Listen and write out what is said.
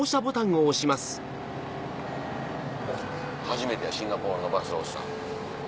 初めてやシンガポールのバス押したん。